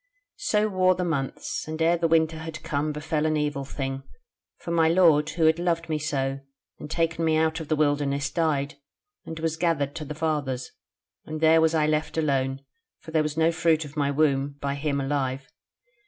"So wore the months, and ere the winter had come befell an evil thing, for my lord, who had loved me so, and taken me out of the wilderness, died, and was gathered to the fathers, and there was I left alone; for there was no fruit of my womb by him alive.